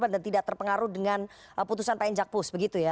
dan tidak terpengaruh dengan putusan pak enjak pus begitu ya